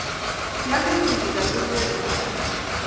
Kialenchi koker kurget nebo tai